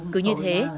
cứ như thế